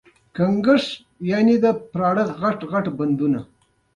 باد د ځمکې هوا پاکوي